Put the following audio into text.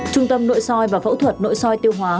trung tâm nội soi và phẫu thuật nội soi tiêu hóa